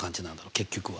結局は。